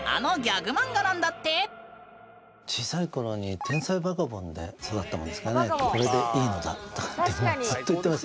小さい頃に「天才バカボン」で育ったもんですからね。とかってずっと言ってましたよ。